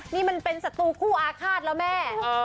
นี้มันเป็นสัตว์ตูกคู่อาฆาตแล้วหมาเอก